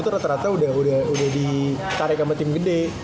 ternyata udah di tarik sama tim gede